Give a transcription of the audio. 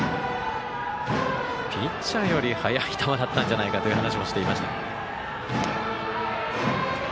ピッチャーより速い球だったんじゃないかという話もしていました。